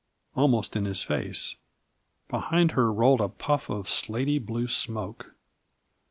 almost in his face. Behind her rolled a puff of slaty blue smoke.